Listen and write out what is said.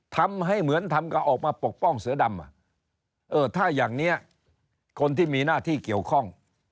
ทำให้เหมือนทำกับออกมาปกป้องเสือดำเออถ้าอย่างนี้คนที่มีหน้าที่เกี่ยวข้อง